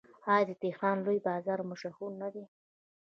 آیا د تهران لوی بازار مشهور نه دی؟